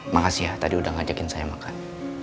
makasih ya tadi udah ngajakin saya makan